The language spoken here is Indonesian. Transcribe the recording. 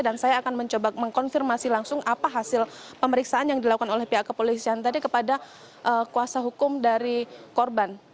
dan saya akan mencoba mengkonfirmasi langsung apa hasil pemeriksaan yang dilakukan oleh pihak kepolisian tadi kepada kuasa hukum dari korban